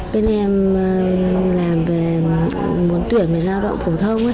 bên em làm về muốn tuyển về lao động phổ thông